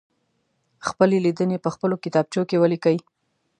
خپلې لیدنې په خپلو کتابچو کې ولیکئ.